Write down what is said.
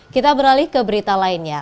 kita beralih ke berita lainnya